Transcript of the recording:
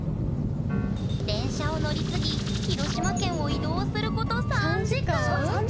電車を乗り継ぎ広島県を移動すること３時間！